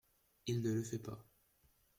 Il ne le fait pas.